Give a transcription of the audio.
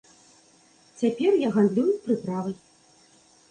Цяпер я гандлюю прыправай.